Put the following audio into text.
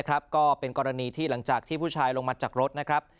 ก็เป็นกรณีที่หลังจากที่ผู้ชายลงมาจากรถนะครับ